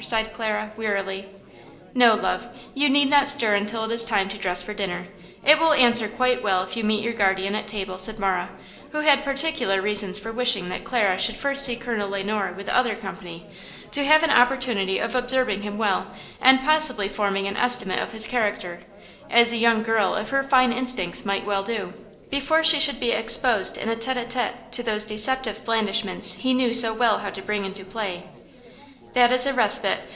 sighed Clara, wearily. "No, love; you need not stir until it is time to dress for dinner; it will answer quite well if you meet your guardian at table," said Marah, who had particular reasons for wishing that Clara should first see Colonel Le Noir with other company, to have an opportunity of observing him well and possibly forming an estimate of his character (as a young girl of her fine instincts might well do) before she should be exposed in a tête à tête to those deceptive blandishments he knew so well how to bring into play. "That is a respite.